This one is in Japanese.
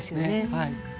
はい。